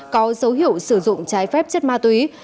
có dấu hiệu sử dụng trái phép chất ma túy